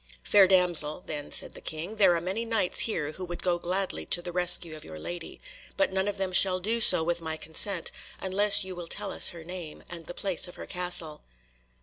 "Fair damsel," then said the King, "there are many Knights here who would go gladly to the rescue of your lady, but none of them shall do so with my consent unless you will tell us her name, and the place of her castle."